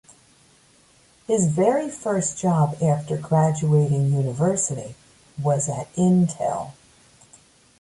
His very first job after graduating university was at Intel.